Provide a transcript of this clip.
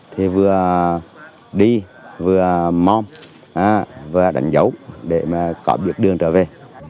thì vừa đi vừa mong vừa đánh dấu để mà có biết đường trở về